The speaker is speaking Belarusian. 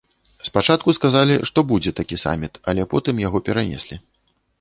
Спачатку сказалі, што будзе такі саміт, але потым яго перанеслі.